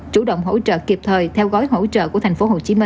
chủ động hỗ trợ kịp thời theo gói hỗ trợ của tp hcm